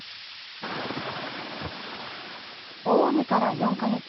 大雨から４か月